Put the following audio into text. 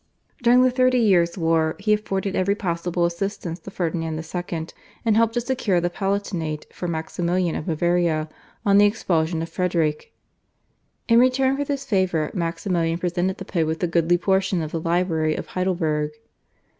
During the Thirty Years' War he afforded every possible assistance to Ferdinand II., and helped to secure the Palatinate for Maximilian of Bavaria on the expulsion of Frederick. In return for this favour Maximilian presented the Pope with a goodly portion of the library of Heidelberg.